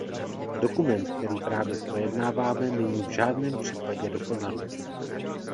Dokument, který právě projednáváme, není v žádném případě dokonalý.